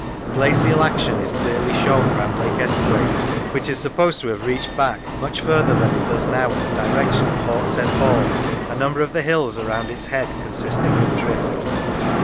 Glacial action is clearly shown round Lake Esthwaite, which is supposed to have reached back much further than it does now in the direction of Hawkshead Hall, a number of the hills around its head consisting of drift.